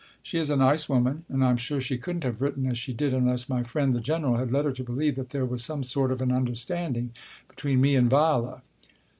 She is a nice woman, and I am sure she couldn't Book I : My Book 19 have written as she did unless my friend the General had led her to believe that there was some sort of an understanding between me and Viola.